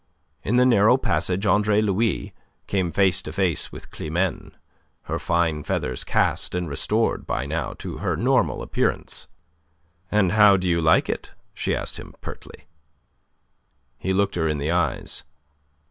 In the narrow passage Andre Louis came face to face with Climene, her fine feathers cast, and restored by now to her normal appearance. "And how do you like it?" she asked him, pertly. He looked her in the eyes.